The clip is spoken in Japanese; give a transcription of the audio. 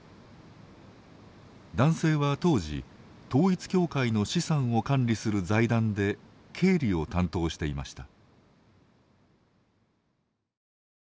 男性は当時統一教会の資産を管理する財団で経理を担当していました。